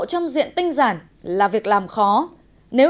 trong diện tinh giản là việc làm khó nếu